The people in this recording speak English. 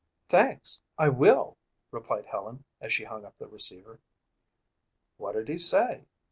"Thanks, I will," replied Helen as she hung up the receiver. "What did he say?"